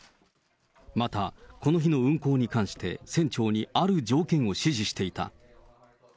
また、この日の運航に関して船長にある条件を指示していた。